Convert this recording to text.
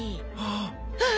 ああ！